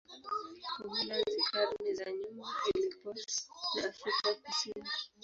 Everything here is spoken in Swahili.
Uholanzi karne za nyuma ilikuwa na Afrika Kusini.